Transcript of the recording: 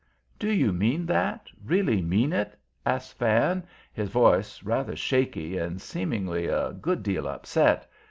"Do you mean that really mean it?" asks Van, his voice rather shaky and seemingly a good deal upset.